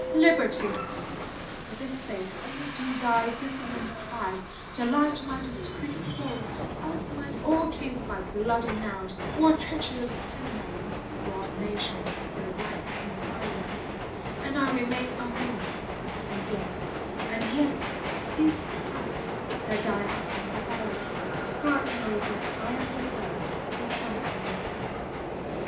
Liberty ! For this sake only do thy dissonant cries Delight my discreet soul, else might all kings By bloody knout or treacherous cannonades Rob nations of their rights inviolate And I remain unmoved — and yet, and yet, These Christs that die upon the barricades, God knows it I am with them, in some things.